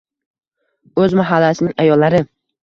O'z mahallasining ayollari.